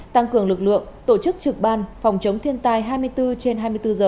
tăng cường lực lượng tổ chức trực ban phòng chống thiên tai hai mươi bốn trên hai mươi bốn giờ